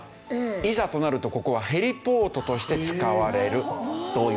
いざとなるとここはヘリポートとして使われるというわけ。